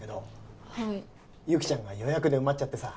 雪ちゃんが予約で埋まっちゃってさ。